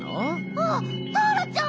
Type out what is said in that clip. あっターラちゃん！